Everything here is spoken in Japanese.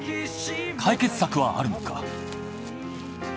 解決策はあるのか？